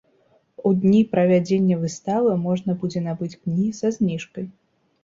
У дні правядзення выставы можна будзе набыць кнігі са зніжкай.